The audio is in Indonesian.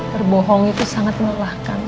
berbohong itu sangat melahkan alv